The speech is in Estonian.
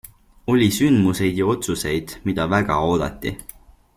Oli sündmuseid ja otsuseid, mida väga oodati.